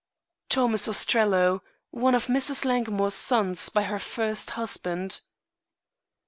"Thomas Ostrello, one of Mrs. Langmore's sons by her first husband."